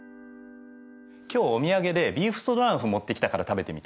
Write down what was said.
今日お土産でビーフストロガノフ持ってきたから食べてみて。